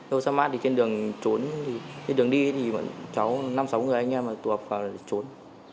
osamat thì trên đường trốn trên đường đi thì cháu năm sáu người anh em tụ hợp vào rồi trốn